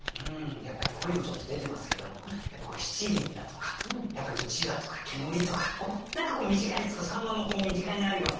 やっぱりここにもちょっと出てますけどもやっぱ七輪だとかやっぱりうちわとか煙とか何か身近に秋刀魚の身近にあるようなもの